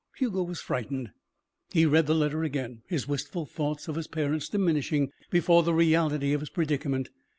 Hugo was frightened. He read the letter again, his wistful thoughts of his parents diminishing before the reality of his predicament.